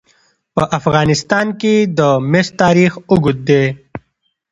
په افغانستان کې د مس تاریخ اوږد دی.